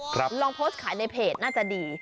ลองโพสต์ขายในเพจน่าจะดี